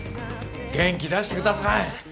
元気出してください。